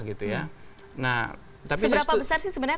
seberapa besar sih sebenarnya